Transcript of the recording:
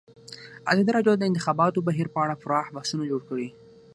ازادي راډیو د د انتخاباتو بهیر په اړه پراخ بحثونه جوړ کړي.